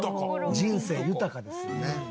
人生豊かですよね。